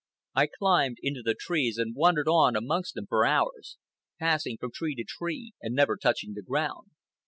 I climbed into the trees and wandered on amongst them for hours, passing from tree to tree and never touching the ground.